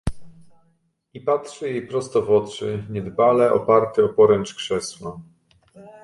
"I patrzy jej prosto w oczy, niedbale oparty o poręcz krzesła."